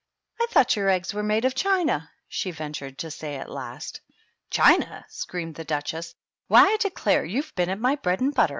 "I thought your eggs were made of china?" she ventured to say, at last. "China!" screamed the Duchess. "Why, I declare you've been at my bread and butter